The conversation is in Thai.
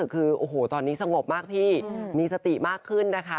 คือโอ้โหตอนนี้สงบมากพี่มีสติมากขึ้นนะคะ